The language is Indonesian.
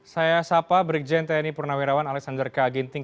saya sapa brigjen tni purnawirawan alexander k ginting